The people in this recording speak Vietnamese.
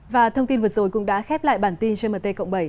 và thông tin vượt rồi cũng đã khép lại bản tin trên mt cộng bảy